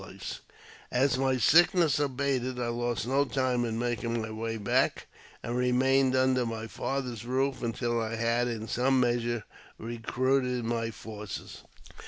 38 AUTOBIOGBAPEY OF As my sickness abated, I lost no time in making my way back, and remained under my father's roof until I had in some measure recruited my forces.